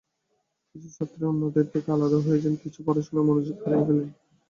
কিছু ছাত্রী অন্যদের থেকে আলাদা হয়ে যান, কিছু পড়াশোনায় মনোযোগ হারিয়ে ফেলেন।